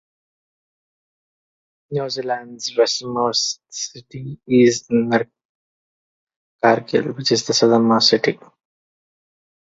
New Zealand's westernmost city is Invercargill, which is also its southernmost city.